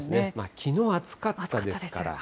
きのう暑かったですから。